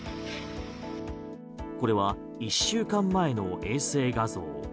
これは１週間前の衛星画像。